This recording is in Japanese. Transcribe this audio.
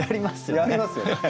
やりますよね。